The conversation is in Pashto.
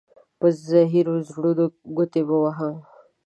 په زهيرو زړونو گوتي مه وهه.